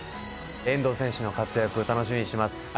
遠藤選手の活躍を楽しみにしてます。